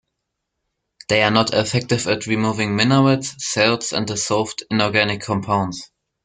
They are not effective at removing minerals, salts, and dissolved inorganic compounds.